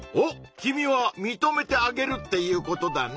君はみとめてあげるっていうことだね！